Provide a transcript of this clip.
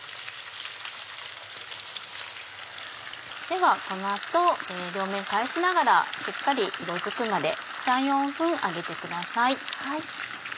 ではこの後両面返しながらしっかり色づくまで３４分揚げてください。